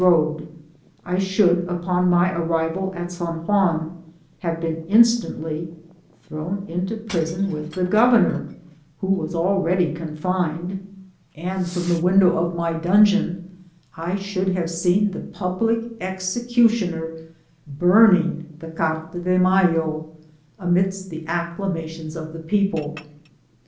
road, I should upon my arrival at San Juan have been instantly thrown into prison with the Governor, who was already confined, and from the window of my dungeon I should have seen the public execu tioner burning the Carta de Mayo, amidst the accla« mations of the people.